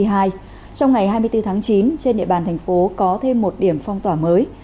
trong ngày hai mươi bốn tháng chín trên địa bàn thành phố có thêm một điểm phong tỏa mới